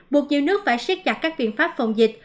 buộc nhiều nước phải xét chặt các viện pháp phòng dịch